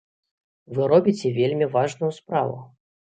Вы робіце вельмі важную справу.